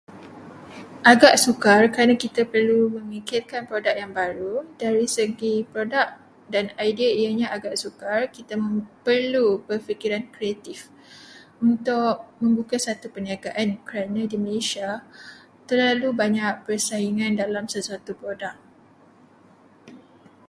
Agak sukar kerana kita perlu memikirkan produk yang baru, Dari segi produk dan idea, ianya agak sukar. Kita perlu berfikiran kreatif untuk membuka sesuatu perniagaan kerana di Malaysia terlalu banyak persaingan dalam sesuatu produk.